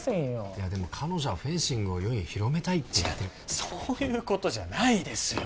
いやでも彼女はフェンシングを世に広めたいってそういうことじゃないですよ